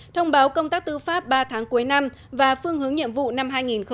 thông báo công tác tư pháp ba tháng cuối năm và phương hướng nhiệm vụ năm hai nghìn hai mươi